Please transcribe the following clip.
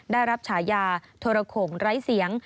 ได้รับฉายาโทรโขงไร้เสียง